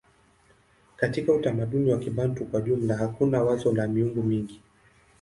Katika utamaduni wa Kibantu kwa jumla hakuna wazo la miungu mingi.